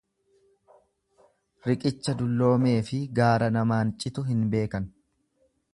Riqicha dulloomeefi gaara namaan citu hin beekan.